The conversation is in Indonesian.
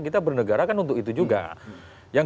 kita bernegara kan untuk itu juga yang